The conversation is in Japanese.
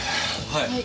はい！